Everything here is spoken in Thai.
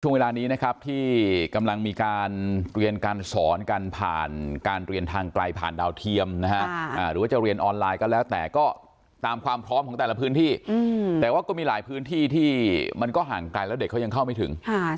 เวลานี้นะครับที่กำลังมีการเรียนการสอนกันผ่านการเรียนทางไกลผ่านดาวเทียมนะฮะหรือว่าจะเรียนออนไลน์ก็แล้วแต่ก็ตามความพร้อมของแต่ละพื้นที่แต่ว่าก็มีหลายพื้นที่ที่มันก็ห่างไกลแล้วเด็กเขายังเข้าไม่ถึง